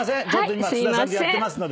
今津田さんとやってますので。